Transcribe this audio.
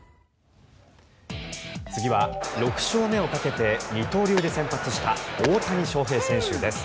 次は６勝目をかけて二刀流で先発した大谷翔平選手です。